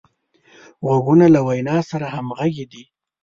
غوږونه له وینا سره همغږي دي